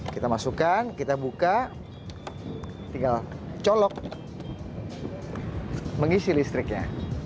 kita masukkan kita buka tinggal colok mengisi listriknya